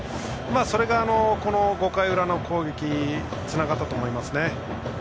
それが、この５回の裏の攻撃につながったと思います。